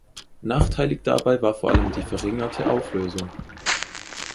Nachteilig dabei war vor allem die verringerte Auflösung.